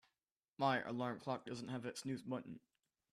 My alarm clock doesn't have a snooze button.